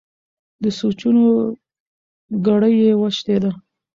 د سوچونو کړۍ یې وشلېده.